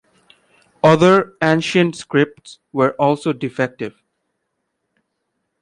Other ancient scripts were also defective.